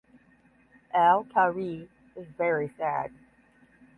Elle Kari is very sad.